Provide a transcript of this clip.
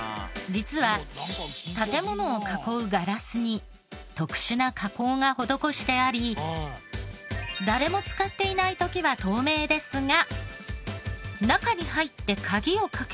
実は建ものを囲うガラスに特殊な加工が施してあり誰も使っていない時は透明ですが。